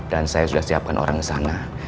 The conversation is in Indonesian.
dan saya sudah siapkan orang di sana